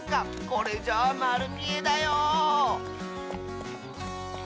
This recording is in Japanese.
これじゃあまるみえだよ。